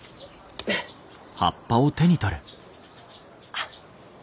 あっ。